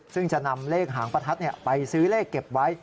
ซึ่งจะนำเลขหางประทัดไปซื้อเลขเก็บไว้